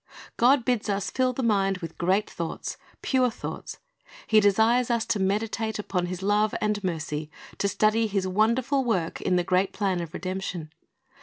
God bids us fill the mind with great thoughts, pure thoughts. He desires us to meditate upon His love and mercy, to study His wonderful work in the great plan of redemption.